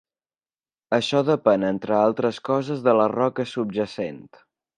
Això depèn, entre altres coses, de la roca subjacent.